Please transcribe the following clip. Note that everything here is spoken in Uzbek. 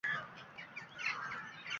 Shu zum bulut ochar oyning yuzini